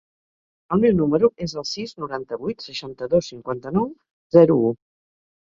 El meu número es el sis, noranta-vuit, seixanta-dos, cinquanta-nou, zero, u.